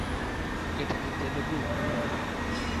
এটা কি তেলেগু?